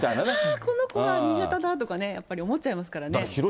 この子は新潟だみたいにやっぱり思っちゃいますからね。